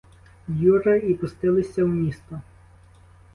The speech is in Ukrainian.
Юра і пустилися в місто.